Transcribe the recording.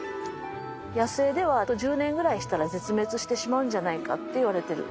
野生ではあと１０年ぐらいしたら絶滅してしまうんじゃないかっていわれてる。